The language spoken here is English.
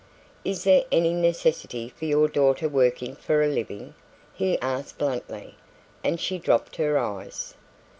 "Is there any necessity for your daughter working for a living?" he asked bluntly, and she dropped her eyes.